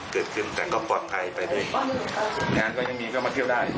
เกิดขึ้นแต่ก็ปลอดภัยไปด้วยงานก็ยังมีก็มาเที่ยวได้